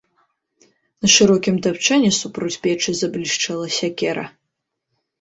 На шырокім тапчане супроць печы заблішчэла сякера.